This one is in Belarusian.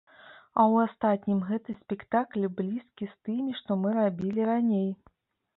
А ў астатнім гэты спектакль блізкі з тымі, што мы рабілі раней.